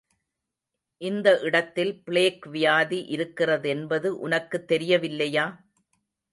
இந்த இடத்தில் பிளேக் வியாதி இருக்கிறதென்பது உனக்குத் தெரியவில்லையா?